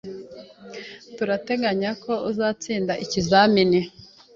Turateganya ko azatsinda ikizamini